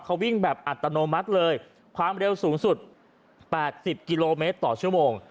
เขาวิ่งแบบอัตโนมัติเลยความเร็วสูงสุด๘๐กิโลเมตรต่อชั่วโมง